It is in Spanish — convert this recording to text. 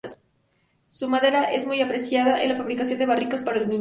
Su madera es muy apreciada en la fabricación de barricas para el vino.